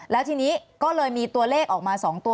แล้วทีนี้ก็เลยมีตัวเลขออกมา๒ตัว